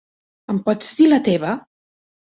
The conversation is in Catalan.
Em pots dir la teva!?